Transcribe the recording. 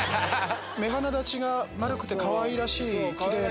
目鼻だちが丸くて、かわいらしい、きれいな。